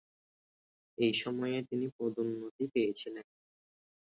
এই সময়ে তিনি পদোন্নতি পেয়েছিলেন।